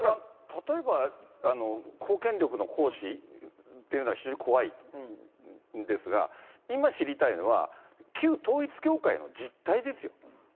例えば公権力の行使っていうのは非常に怖いんですが、今、知りたいのは旧統一教会の実態ですよ。